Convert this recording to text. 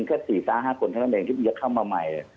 แค่๔๕คนเท่านั้นเองที่จะเข้ามาใหม่